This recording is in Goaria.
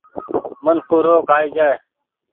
منکون رو ڪآئي جآئي ۔